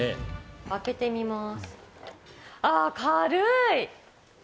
開けてみます。